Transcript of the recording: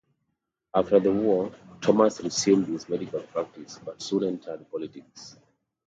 After the war, Thomas resumed his medical practice, but soon entered politics.